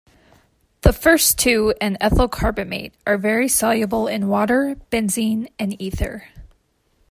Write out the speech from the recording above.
The first two and ethyl carbamate are very soluble in water, benzene, and ether.